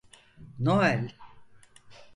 Noel…